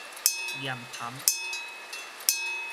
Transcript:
驗痰